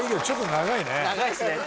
長いですね。